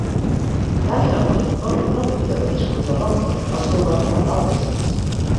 Danny Donnelly va obrir una botiga de discos a Romford, el seu barri natal d'Essex.